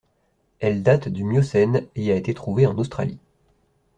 Elle date du Miocène et a été trouvée en Australie.